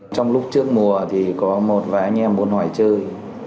trong lúc trước mùa thì có một vài anh em muốn hỏi chơi